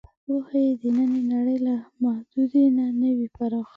پوهه یې د نننۍ نړۍ له محدودې نه وي پراخ.